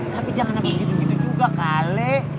tapi janganlah begitu juga kali